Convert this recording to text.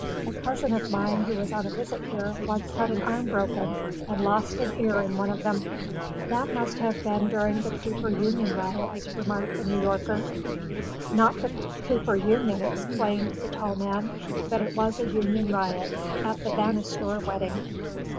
"A cousin of mine who was on a visit here once had an arm broken and lost an ear in one of them." "That must have been during the Cooper Union riots," remarked the New Yorker. "Not the Cooper Union," explained the tall man—"but it was a union riot—at the Vanastor wedding."